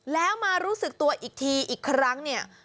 แล้วมารู้สึกตัวอีกทีอีกครั้งเนี่ย